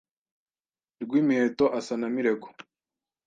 Rwimiheto asa na Mirego